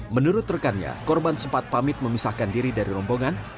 menurut rekannya korban sempat pamit memisahkan diri dari rombongan